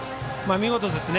見事ですね。